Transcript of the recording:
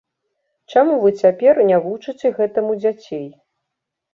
Чаму вы цяпер не вучыце гэтаму дзяцей?